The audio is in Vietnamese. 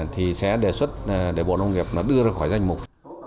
thì sẽ đề xuất để bộ nông nghiệp đưa ra khỏi danh mục